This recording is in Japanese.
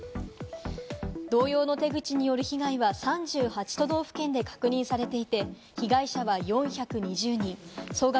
同様の手口による被害は３８都道府県で確認されていて、被害者は４２０人、総額